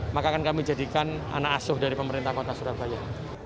maka akan kami jadikan anak asuh dari pemerintah kota surabaya